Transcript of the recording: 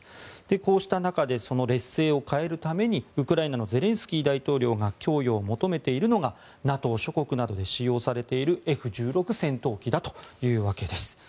こうした中で劣勢を変えるためにウクライナのゼレンスキー大統領が供与を求めているのがＮＡＴＯ諸国などで使用されているＦ１６戦闘機だというわけです。